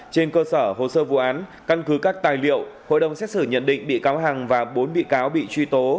trên cơ sở hồ sơ vụ án căn cứ các tài liệu hội đồng xét xử nhận định bị cáo hằng và bốn bị cáo bị truy tố